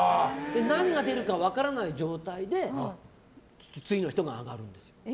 何が出るか分からない状態で次の人が高座に上がるんですよ。